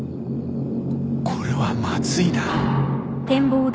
これはまずいな。